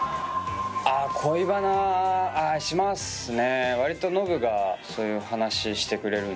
あっ恋バナあっしますね。